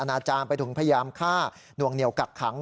อาจารย์ไปถึงพยายามฆ่าหน่วงเหนียวกักขัง